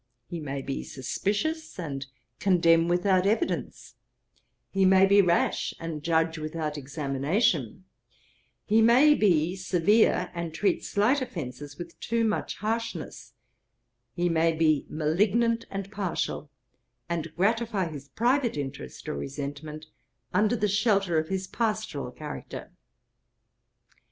He may be suspicious, and condemn without evidence; he may be rash, and judge without examination; he may be severe, and treat slight offences with too much harshness; he may be malignant and partial, and gratify his private interest or resentment under the shelter of his pastoral character.